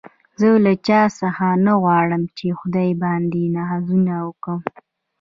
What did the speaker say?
زه له چا څه نه غواړم په خدای باندې نازونه کوم